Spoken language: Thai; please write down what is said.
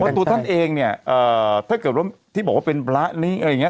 ตัวท่านเองเนี่ยถ้าเกิดว่าที่บอกว่าเป็นพระนี้อะไรอย่างนี้